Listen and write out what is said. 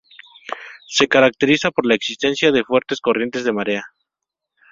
Se caracteriza por la existencia de fuertes corrientes de marea.